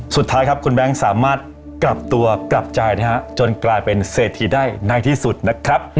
สุดท้ายครับคุณแบงค์สามารถกลับตัวกลับใจนะฮะจนกลายเป็นเศรษฐีได้ในที่สุดนะครับ